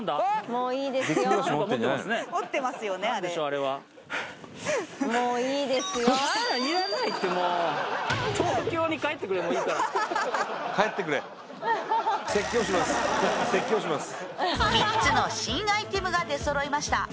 もうもういいから帰ってくれ３つの新アイテムが出そろいました